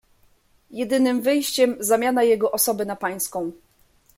"Jedynym wyjściem zamiana jego osoby na pańską."